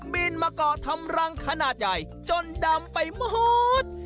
มาก่อทำรังขนาดใหญ่จนดำไปหมด